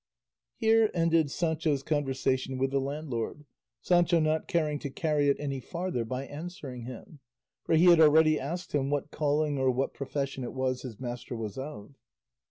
Here ended Sancho's conversation with the landlord, Sancho not caring to carry it any farther by answering him; for he had already asked him what calling or what profession it was his master was of.